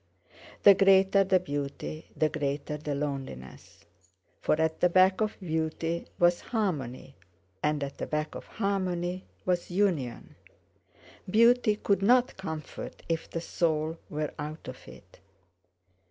The greater the beauty, the greater the loneliness, for at the back of beauty was harmony, and at the back of harmony was—union. Beauty could not comfort if the soul were out of it.